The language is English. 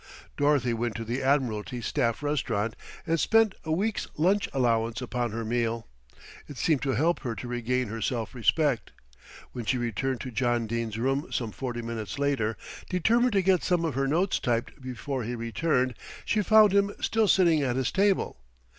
Dorothy went to the Admiralty staff restaurant and spent a week's lunch allowance upon her meal. It seemed to help her to regain her self respect. When she returned to John Dene's room some forty minutes later, determined to get some of her notes typed before he returned, she found him still sitting at his table.